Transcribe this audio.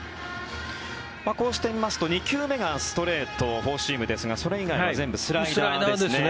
こうして見ますと２球目がストレートフォーシームですがそれ以外は全部、スライダーですね。